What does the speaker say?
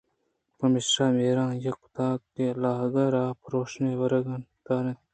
پمیشا بیرہ ئِے کُت ءُ لاگءَرا پرٛوشانءُوَرَانءَدرّائینت